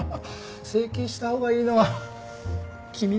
整形したほうがいいのは君だ。